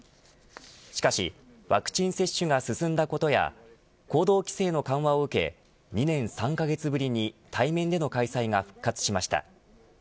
しかしワクチン接種が進んだことや行動規制の緩和を受け２年３カ月ぶりに対面での開催が復活しました。